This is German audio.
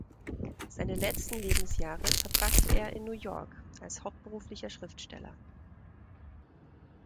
Seine letzten Lebensjahre verbrachte er in New York als hauptberuflicher Schriftsteller.